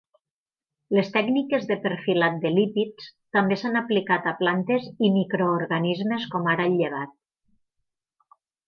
Les tècniques de perfilat de lípids també s'han aplicat a plantes i microorganismes com ara el llevat.